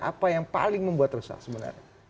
apa yang paling membuat rusak sebenarnya